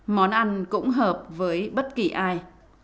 món ăn cũng hợp với bất kỳ ai